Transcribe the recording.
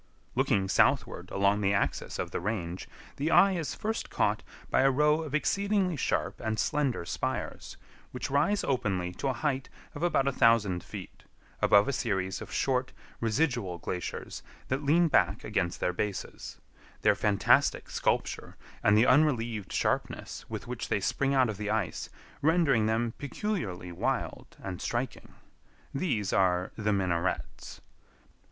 Looking southward along the axis of the range, the eye is first caught by a row of exceedingly sharp and slender spires, which rise openly to a height of about a thousand feet, above a series of short, residual glaciers that lean back against their bases; their fantastic sculpture and the unrelieved sharpness with which they spring out of the ice rendering them peculiarly wild and striking. These are "The Minarets."